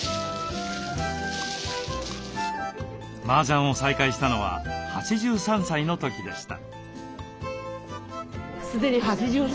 麻雀を再開したのは８３歳の時でした。